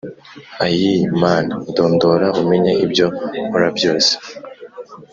Ai Mana Ndondora umenye Ibyo Nkora Byose